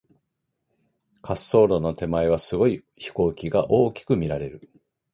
滑走路の手前は、すごい飛行機が大きく見られる。